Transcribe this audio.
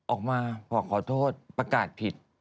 ออกมาบอกขอโทษประกาศผิด